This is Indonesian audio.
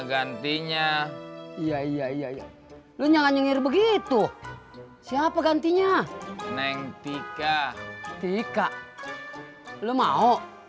gantinya iya iya iya lu jangan nyengir begitu siapa gantinya neng tika tika lu mau